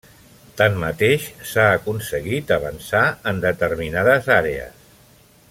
Tanmateix, s'ha aconseguit avançar en determinades àrees.